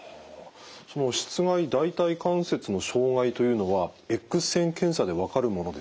そのしつ蓋大腿関節の障害というのはエックス線検査で分かるものですか？